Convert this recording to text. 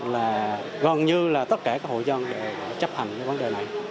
là gần như là tất cả các hội dân đã chấp hành với vấn đề này